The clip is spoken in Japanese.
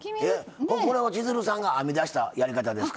これは千鶴さんが編み出したやり方ですか？